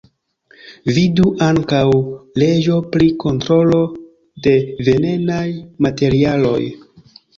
Vidu ankaŭ: leĝo pri kontrolo de venenaj materialoj.